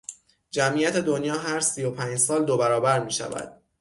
جمعیت دنیا هر سی و پنج سال دو برابر میشود.